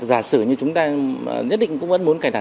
giả sử như chúng ta nhất định cũng vẫn muốn cài đặt